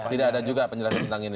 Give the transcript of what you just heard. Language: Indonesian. tidak ada juga penjelasan tentang ini